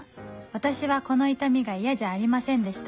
私はこの痛みが嫌じゃありませんでした